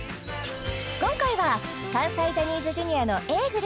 今回は関西ジャニーズＪｒ．のＡぇ！